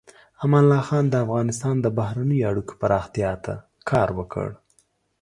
امان الله خان د افغانستان د بهرنیو اړیکو پراختیا ته کار وکړ.